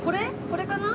これかな？